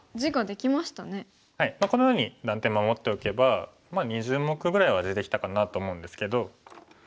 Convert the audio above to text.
このように断点守っておけばまあ２０目ぐらいは地できたかなと思うんですけど。